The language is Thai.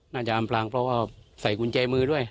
อำพลางเพราะว่าใส่กุญแจมือด้วย